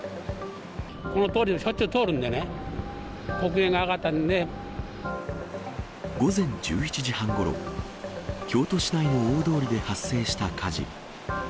この通りをしょっちゅう通る午前１１時半ごろ、京都市内の大通りで発生した火事。